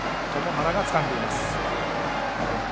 塘原がつかんでいます。